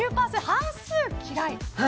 半数嫌い。